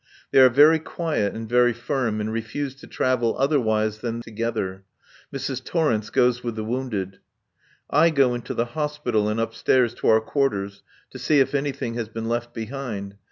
They are very quiet and very firm and refuse to travel otherwise than together. Mrs. Torrence goes with the wounded. I go into the Hospital and upstairs to our quarters to see if anything has been left behind.